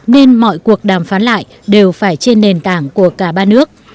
nên mọi cuộc đàm phán lại đều phải trên nền tảng của cả ba nước